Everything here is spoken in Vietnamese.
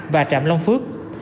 và trạm long phước